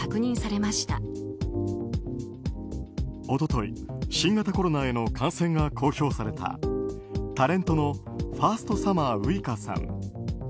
一昨日新型コロナへの感染が公表されたタレントのファーストサマーウイカさん。